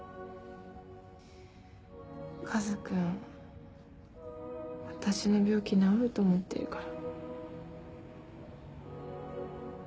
カズくん私の病気治ると思ってるから。